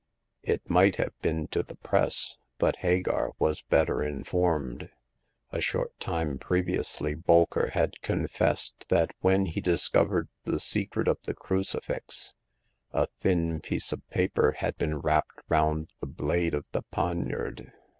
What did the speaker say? It might have been to the Press ; but Hagar was better informed. A short time previously, Bolker had confessed that when he discovered the secret of the crucifix a thin piece of paper had been wrapped round the blade of the pon iard.